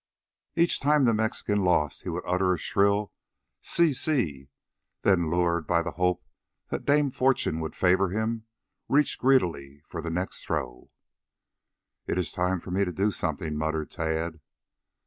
Each time the Mexican lost he would utter a shrill "si, si," then lured by the hope that Dame Fortune would favor him, reached greedily for the next throw. "It's time for me to do something," muttered Tad.